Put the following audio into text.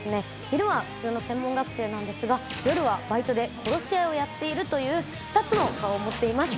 昼は普通の専門学生なんですが夜はバイトで殺し屋をやっているという２つの顔を持っています。